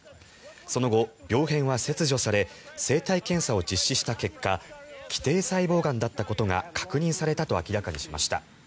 その後、病変は切除され生体検査を実施した結果基底細胞がんだったことが確認されたと明らかにしました。